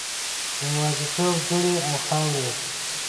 د یوازیتوب دوړې او خاورې